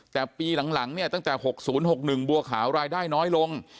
แต่ปีหลังเนี่ยตั้งแต่๖๐๖๑บัวขาวรายได้น้อยลง